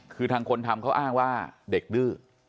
คือทางคนทำเขาอ้างว่าเด็กดื้อ